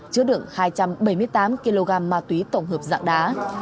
chứa đựng hai trăm bảy mươi tám kg ma túy tổng hợp dạng đá